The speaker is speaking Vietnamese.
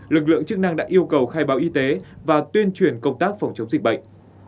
lực lượng chức năng đã yêu cầu khai báo y tế và tuyên truyền công tác phòng chống dịch bệnh